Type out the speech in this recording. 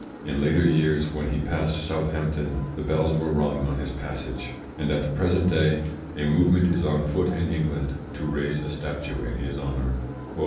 In later years, when he passed Southampton, the bells were rung on his passage; and at the present day a movement is on foot in England to raise a statue in his honour.